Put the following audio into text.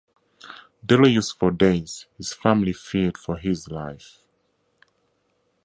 Delirious for days, his family feared for his life.